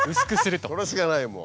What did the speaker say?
それしかないもう。